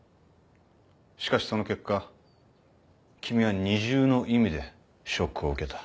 しかしその結果君は二重の意味でショックを受けた。